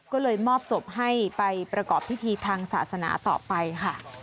ก็เลยมอบศพให้ไปประกอบพิธีทางศาสนาต่อไปค่ะ